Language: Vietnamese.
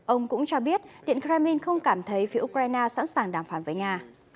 ông cũng cho biết điện kremlin không cảm thấy phía ukraine sẵn sàng đàm phán với nga